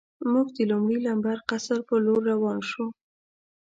موږ د لومړي لمبر قصر په لور روان شو.